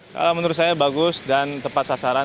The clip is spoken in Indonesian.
kalau menurut saya bagus dan tepat sasaran